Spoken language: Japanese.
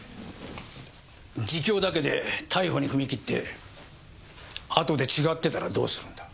自供だけで逮捕に踏み切ってあとで違ってたらどうするんだ。